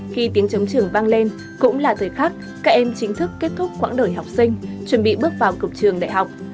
khi tiếng chống trường vang lên cũng là thời khắc các em chính thức kết thúc quãng đời học sinh chuẩn bị bước vào cổng trường đại học